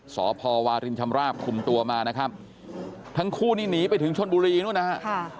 สพวารินชำราบคุมตัวมานะครับทั้งคู่นี่หนีไปถึงชนบุรีนู่นนะฮะ